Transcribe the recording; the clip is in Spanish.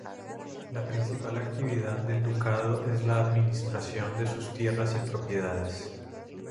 La principal actividad del ducado es la administración de sus tierras y propiedades.